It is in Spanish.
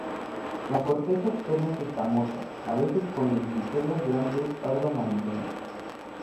La corteza externa es escamosa, a veces con lenticelas grandes pardo amarillenta.